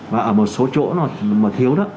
và ở một số chỗ mà thiếu đó